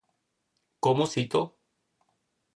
¿Cómo cito?